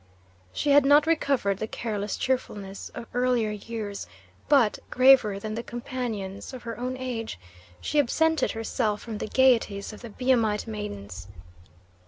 She had not recovered the careless cheerfulness of earlier years, but, graver than the companions of her own age, she absented herself from the gaieties of the Biamite maidens.